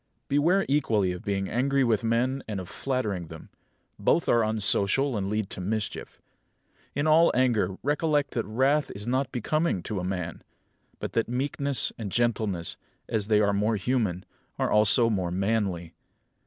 Beware equally of being angry with men and of flattering them. Both are unsocial and lead to mischief. In all anger recollect that wrath is not becoming to a man; but that meekness and gentleness, as they are more human, are also more manly.